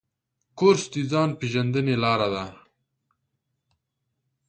کورس د ځان پېژندنې لاره ده.